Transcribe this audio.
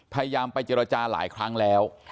พยายามไปเจรจาหลายครั้งแล้ว